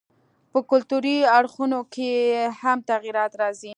په کلتوري اړخونو کښي ئې هم تغيرات راځي.